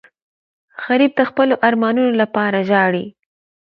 غریب د خپلو ارمانونو لپاره ژاړي